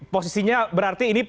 posisinya berarti ini